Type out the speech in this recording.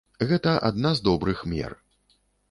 Гэта адна з добрых мер.